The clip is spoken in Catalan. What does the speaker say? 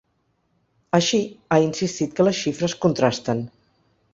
Així, ha insistit que les xifres “contrasten”.